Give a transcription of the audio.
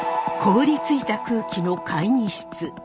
凍りついた空気の会議室。